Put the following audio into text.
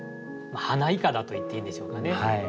花いかだといっていいんでしょうかね。